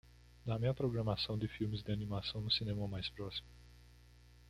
Dá-me a programação de filmes de animação no cinema mais próximo